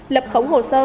lập khống hồ sơ